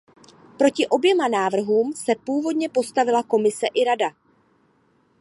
Proti oběma návrhům se původně postavila Komise i Rada.